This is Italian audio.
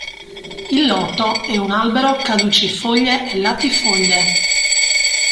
Il loto è un albero caducifoglie e latifoglie.